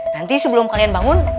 nanti sebelum kalian bangun